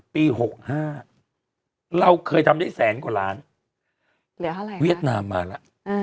ปี๖๕เราเคยทำได้แสนกว่าล้านเหลืออะไรเวียดนามมาแล้ว